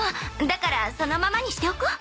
だからそのままにしておこう？